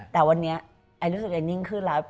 แต่วันนี้ไอรู้สึกไอนิ่งขึ้นแล้ว